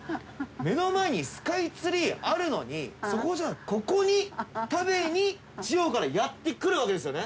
目の前にスカイツリーあるのにそこじゃなくここに食べに地方からやって来るわけですよね？